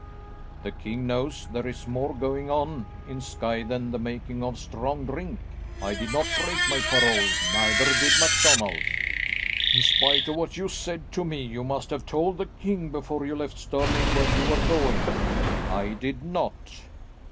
"The king knows there is more going on in Skye than the making of strong drink. I did not break my parole, neither did MacDonald." "In spite of what you said to me, you must have told the king before you left Stirling where you were going." "I did not."